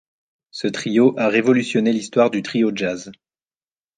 Ce trio a révolutionné l'histoire du trio jazz.